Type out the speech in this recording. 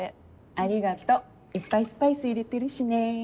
ありがとういっぱいスパイス入れてるしね。